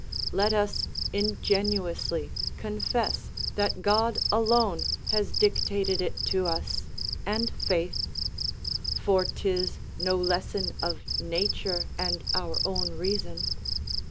Let us ingenuously confess that God alone has dictated it to us, and faith; for 'tis no lesson of nature and our own reason.